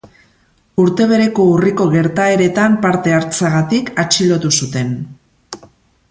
Urte bereko urriko gertaeretan parte hartzeagatik atxilotu zuten.